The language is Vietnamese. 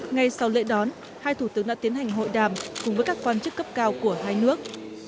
ngay sau lễ đón hai thủ tướng đã tiến hành hội đàm cùng với các quan chức cấp cao của hai nước